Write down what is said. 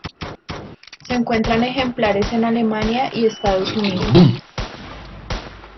Se encuentran ejemplares en Alemania y Estados Unidos.